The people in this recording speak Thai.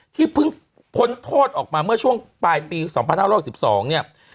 ที่เพิ่งพ้นโทษออกมาเมื่อช่วงปลายปี๒๕๖๒เนี่ย